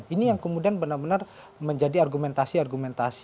ini yang kemudian benar benar menjadi argumentasi argumentasi